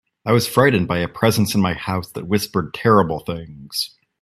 I was frightened by a presence in my house that whispered terrible things.